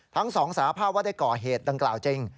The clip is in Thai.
ทั้งสองสาภาพว่าได้ก่อเหตุดังกล่าวจริง